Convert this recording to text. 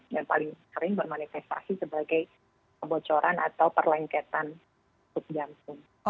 yang paling sering bermanifestasi sebagai kebocoran atau perlengketan sup jantung